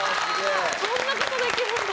そんな事できるんだ！